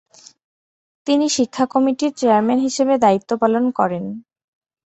তিনি শিক্ষা কমিটির চেয়ারম্যান হিসেবে দায়িত্ব পালন করেন।